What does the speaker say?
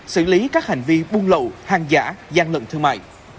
xử lý các hành vi bùng lẩu hàng giả gian lận thương mại